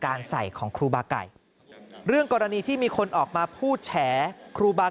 ใส่ของครูบาไก่เรื่องกรณีที่มีคนออกมาพูดแฉครูบา